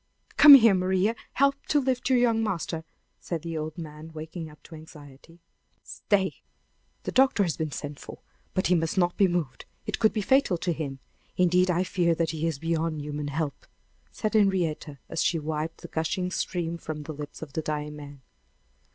Come here, Maria! Help me to lift your young master," said the old man, waking up to anxiety. "Stay! The doctor has been sent for; but he must not be moved; it would be fatal to him. Indeed, I fear that he is beyond human help," said Henrietta, as she wiped the gushing stream from the lips of the dying man.